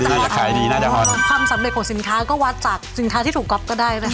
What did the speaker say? น่าจะหอดความสำเร็จของสินค้าก็วัดจากสินค้าที่ถูกก๊อปก็ได้นะครับ